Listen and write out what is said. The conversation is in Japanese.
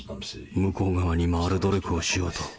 向こう側に回る努力をしようと。